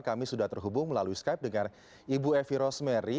kami sudah terhubung melalui skype dengan ibu evi rosmeri